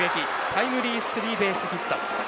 タイムリースリーベースヒット。